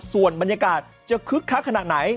ส่วนบรรยากาศจะคึกคักขนาดไหน